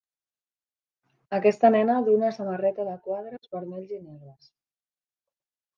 Aquesta nena duu una samarreta de quadres vermells i negres.